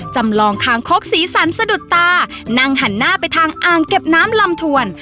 จำลองคางคกสีสันสะดุดตานั่งหันหน้าไปทางอ่างเก็บน้ำลำถวน